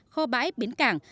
kho bãi biến cảng